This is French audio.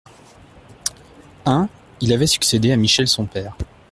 un Il avait succédé à Michel son père.